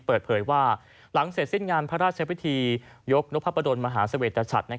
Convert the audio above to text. เปิดเผยว่าหลังเสร็จสิ้นงานพระราชพิธียกนพประดนมหาเสวตชัด